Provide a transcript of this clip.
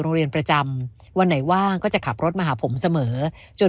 เรียนประจำวันไหนว่างก็จะขับรถมาหาผมเสมอจน